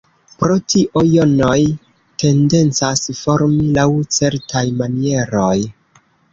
Pro tio, jonoj tendencas formi laŭ certaj manieroj.